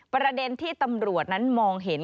ประเด็นที่ตำรวจนั้นมองเห็น